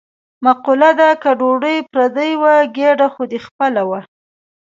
مقوله ده: که ډوډۍ پردۍ وه ګېډه خو دې خپله وه.